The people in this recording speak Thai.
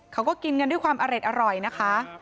เขาก็กินกันด้วยความอร่อยนะคะ